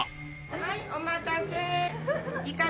はいお待たせ。